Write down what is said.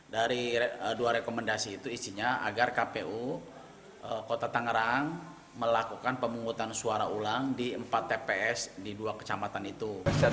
dari dua rekomendasi itu isinya agar kpu kota tangerang melakukan pemungutan suara ulang di empat tps di dua kecamatan itu